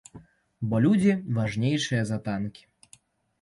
Бо людзі важнейшыя за танкі.